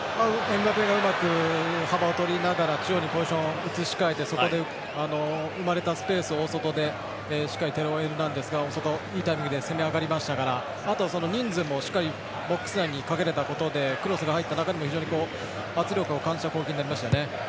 エムバペがうまく幅を取りながら徐々にポジションを移してそれで生まれたスペース、大外でしっかりテオ・エルナンデスがいいタイミングで攻め上がりましたからあとは人数もしっかりボックス内にかけられたことでクロスが入った中で非常に圧力を感じた攻撃になりましたね。